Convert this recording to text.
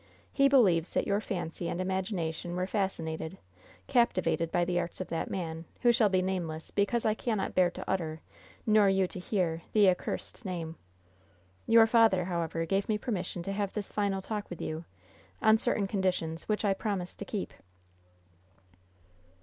He believes that your fancy and imagination were fascinated, captivated by the arts of that man, who shall be nameless, because I cannot bear to utter, nor you to hear, the accursed name. Your father, however, gave me permission to have this final talk with you, on certain conditions, which I promised to keep."